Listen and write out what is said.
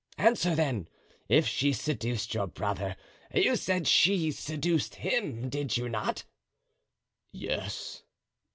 "Answer, then. If she seduced your brother—you said she seduced him, did you not?" "Yes."